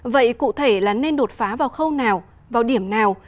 vậy cụ thể là nên đột phá vào khâu nào vào điểm nào